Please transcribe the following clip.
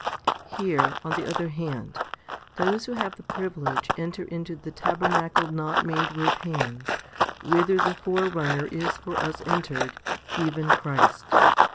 Here, on the other hand, those who have the privilege enter into the tabernacle not made with hands, whither the forerunner is for us entered, even Christ.